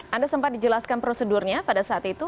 anda sempat dijelaskan prosedurnya pada saat itu